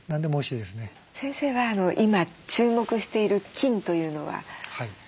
先生は今注目している菌というのは何ですか？